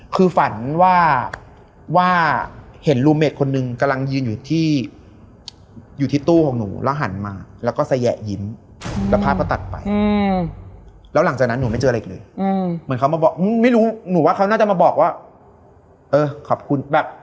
เพราะว่าสนิทกันชื่อพี่แอด